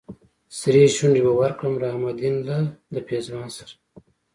سرې شونډې به ورکړم رحم الدين لهد پېزوان سره